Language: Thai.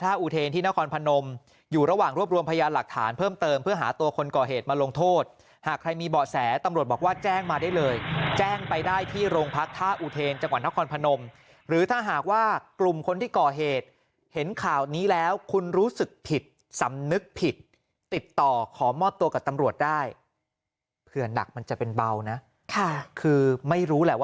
ถ้าอุเทนที่นครพนมอยู่ระหว่างรวบรวมพยานหลักฐานเพิ่มเติมเพื่อหาตัวคนก่อเหตุมาลงโทษหากใครมีเบาะแสตำรวจบอกว่าแจ้งมาได้เลยแจ้งไปได้ที่โรงพักท่าอุเทนจังหวัดนครพนมหรือถ้าหากว่ากลุ่มคนที่ก่อเหตุเห็นข่าวนี้แล้วคุณรู้สึกผิดสำนึกผิดติดต่อขอมอบตัวกับตำรวจได้เผื่อหนักมันจะเป็นเบานะค่ะคือไม่รู้แหละว่า